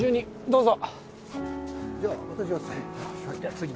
どうぞ。